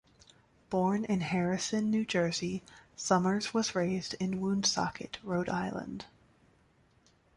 Born in Harrison, New Jersey, Summers was raised in Woonsocket, Rhode Island.